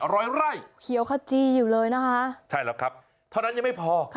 ร้อยไร่เขียวขจีอยู่เลยนะคะใช่แล้วครับเท่านั้นยังไม่พอ